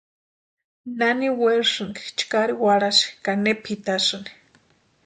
¿Nani werasïnki chkari warhasï ka ne pʼitasïni?